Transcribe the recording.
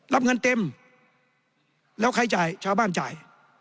รับเงินเต็มแล้วใครจ่ายชาวบ้านจ่าย